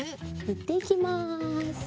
ぬっていきます。